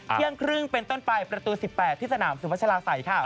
เที่ยงครึ่งเป็นต้นไปประตู๑๘ที่สนามสุพัชลาศัยค่ะ